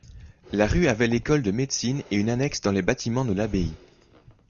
La rue avait l'école de médecine et une annexe dans les bâtiments de l'abbaye.